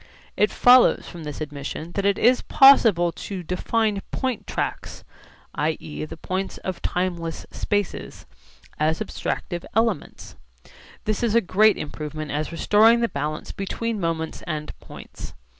It follows from this admission that it is possible to define point tracks [i.e. the points of timeless spaces] as abstractive elements. This is a great improvement as restoring the balance between moments and points.